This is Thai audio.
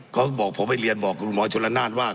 เขาบอกผมไปเรียนบอกคุณหมอชนละนานว่า